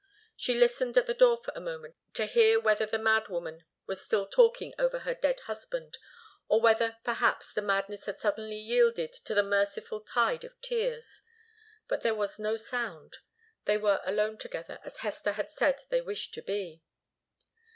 She listened at the door for a moment to hear whether the mad woman were still talking over her dead husband, or whether, perhaps, the madness had suddenly yielded to the merciful tide of tears. But there was no sound. They were alone together, as Hester had said that they wished to be.